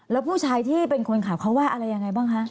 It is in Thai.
แล้วผู้ชายที่เป็นคนขับเขาว่าอะไรยังไงบ้างคะ